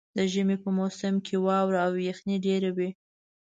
د ژمي په موسم کې واوره او یخني ډېره وي.